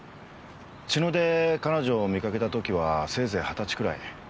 茅野で彼女を見かけた時はせいぜい二十歳くらい。